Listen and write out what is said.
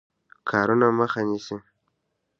کارونو مخه نیسي.